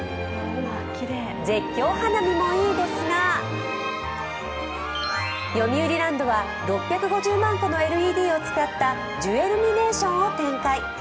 絶叫花見もいいですがよみうりランドは６５０万個のＬＥＤを使ったジュエルミネーションを展開。